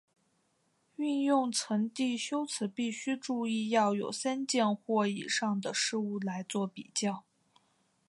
运用层递修辞必须注意要有三件或以上的事物来作比较。